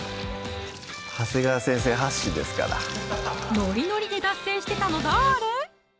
あれはノリノリで脱線してたのだれ？